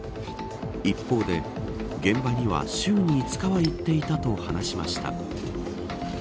一方で、現場には週に５日は行っていたと話しました。